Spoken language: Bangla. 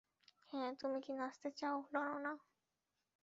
হ্যাঁ, তুমি কি নাচতে চাও, ললনা?